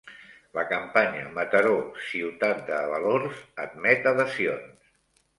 La campanya Mataró, ciutat de valors admet adhesions.